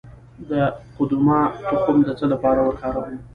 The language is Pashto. د قدومه تخم د څه لپاره وکاروم؟